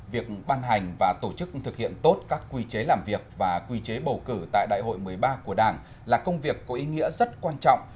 việc ban hành và tổ chức thực hiện tốt các quy chế làm việc và quy chế bầu cử tại đại hội một mươi ba của đảng là công việc có ý nghĩa rất quan trọng